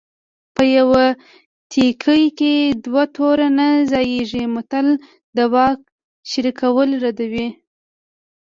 په یوه تیکي کې دوه تورې نه ځاییږي متل د واک شریکول ردوي